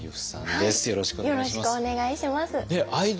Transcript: よろしくお願いします。